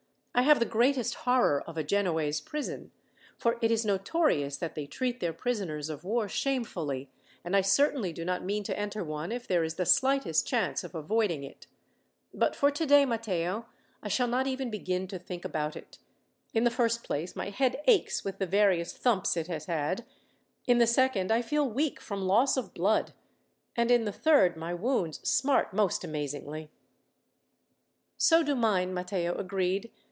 I have the greatest horror of a Genoese prison, for it is notorious that they treat their prisoners of war shamefully, and I certainly do not mean to enter one, if there is the slightest chance of avoiding it. But for today, Matteo, I shall not even begin to think about it. In the first place, my head aches with the various thumps it has had; in the second, I feel weak from loss of blood; and in the third, my wounds smart most amazingly." "So do mine," Matteo agreed.